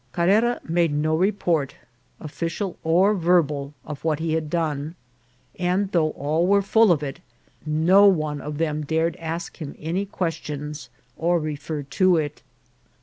Carrera made no report, official or verbal, of what he had done ; and though all were full of it, no one of them dared ask him any ques tions, or refer to it.